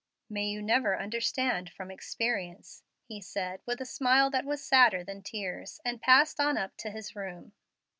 "May you never understand from experience," he said with a smile that was sadder than tears, and passed on up to his room.